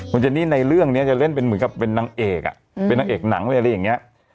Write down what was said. คุณเจนี่ในเรื่องนี้จะเล่นเป็นเหมือนกับเป็นนางเอกอ่ะเป็นนางเอกหนังเลยอะไรอย่างนี้